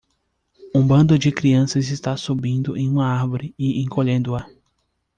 Um bando de crianças está subindo em uma árvore e encolhendo-a.